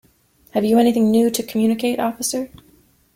Have you anything new to communicate, officer?